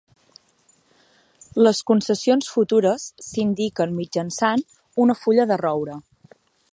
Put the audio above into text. Les concessions futures s'indiquen mitjançant una fulla de roure.